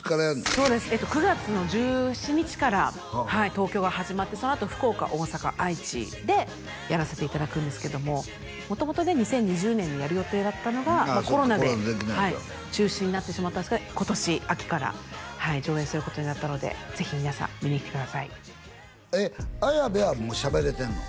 そうです９月の１７日から東京が始まってそのあと福岡大阪愛知でやらせていただくんですけども元々ね２０２０年にやる予定だったのがコロナで中止になってしまったんですが今年秋から上演することになったのでぜひ皆さん見に来てください綾部はもうしゃべれてんの？